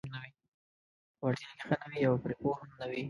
په وړتیا کې ښه نه وي او پرې پوه هم نه وي: